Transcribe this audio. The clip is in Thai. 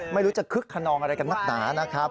ไม่รู้จะคึกขนองอะไรกันนักหนานะครับ